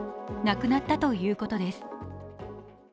亡くなったということです。